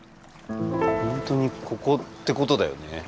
本当にここってことだよね。